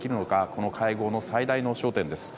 この会合の最大の焦点です。